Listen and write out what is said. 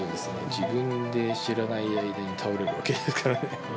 自分で知らない間に倒れるわけだからね。